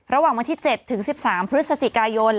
วันที่๗ถึง๑๓พฤศจิกายน